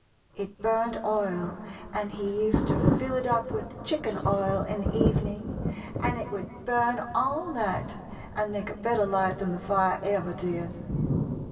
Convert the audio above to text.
It burned oil, and he used to fill it up with chicken oil in the evening and it would burn all night and make a better light than the fire ever did.